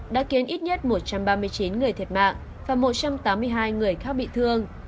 đã khiến ít nhất một trăm ba mươi chín người thiệt mạng và một trăm tám mươi hai người khác bị thương